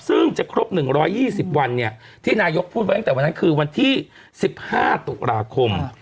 ซึ่งจะครบ๑๒๐วันที่นายกพูดไว้ตั้งแต่วันนั้นคือวันที่๑๕ตุลาคม